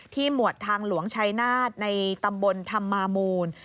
หมวดทางหลวงชัยนาฏในตำบลธรรมามูล